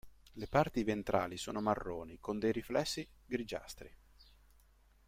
Le parti ventrali sono marroni con dei riflessi grigiastri.